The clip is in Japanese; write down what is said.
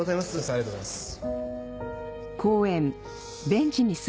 ありがとうございます。